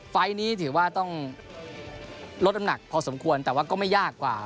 ไฟล์นี้ถือว่าต้องลดน้ำหนักพอสมควรแต่ว่าก็ไม่ยากกว่า